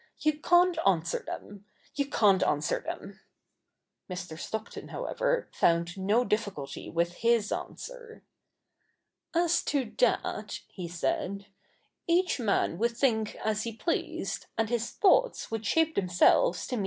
You can't answer them — you can't answer them.' Mr. Stockton, however, found no difficulty with his answer. ' As to that,' he said, ' each man would think as he pleased, and his thoughts would shape themselves to meet CH.